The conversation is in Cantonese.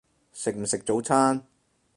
食唔食早餐？